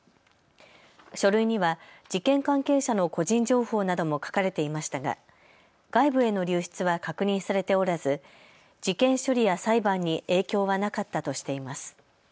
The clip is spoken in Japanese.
書類には事件関係者の個人情報なども書かれていましたが外部への流出は確認されておらず事件処理や裁判に影響はなかったとしています。